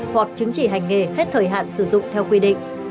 hoặc chứng chỉ hành nghề hết thời hạn sử dụng theo quy định